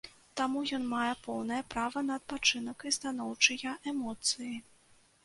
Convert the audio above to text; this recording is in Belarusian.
Таму ён мае поўнае права на адпачынак і станоўчыя эмоцыі.